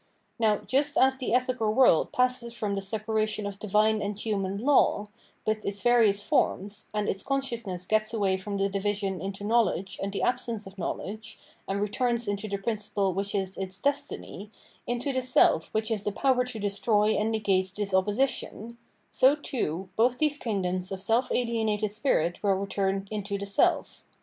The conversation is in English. Now just as the ethical world passes from the separation of divine and hiunan law, with its various forms, and its consciousness gets away from the division into knowledge and the absence of knowledge, and re turns into the priaciple which is its destiny, into the self which is the power to destroy and negate this oppo sition, so, too, both these kingdoms of self ahenated spirit will return into the self.